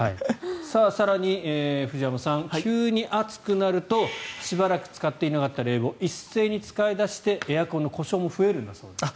更に、藤山さん、急に暑くなるとしばらく使っていなかった冷房を一斉に使い出してエアコンの故障も増えるんだそうです。